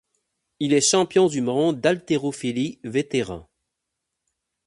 Il est Champion du monde d’haltérophilie vétéran.